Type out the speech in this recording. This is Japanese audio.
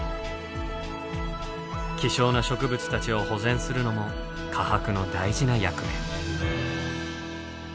希少な植物たちを保全するのも科博の大事な役目。